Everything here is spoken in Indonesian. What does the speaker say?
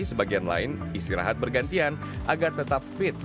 sebagian lain istirahat bergantian agar tetap fit